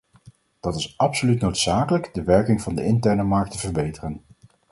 Dat is absoluut noodzakelijk de werking van de interne markt te verbeteren.